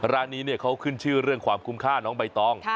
ร้านนี้เขาขึ้นชื่อเรื่องความคุ้มค่าน้องใบตอง